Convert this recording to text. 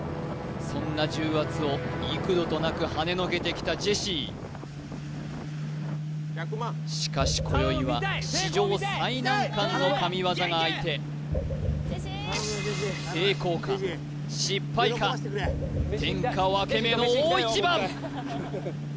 そんな重圧を幾度となくはねのけてきたジェシーしかし今宵は史上最難関の神業が相手天下分け目の大一番！